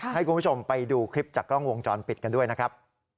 ให้คุณผู้ชมไปดูคลิปจากกล้องวงจรปิดกันด้วยนะครับ